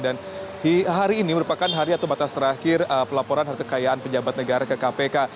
dan hari ini merupakan hari atau batas terakhir pelaporan harta kekayaan penjabat negara ke kpk